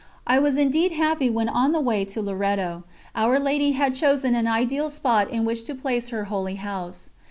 I was indeed happy when on the way to Loreto. Our Lady had chosen an ideal spot in which to place her Holy House.